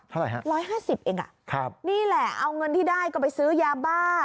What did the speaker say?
เท่าไหร่ฮะ๑๕๐เองอ่ะครับนี่แหละเอาเงินที่ได้ก็ไปซื้อยาบ้า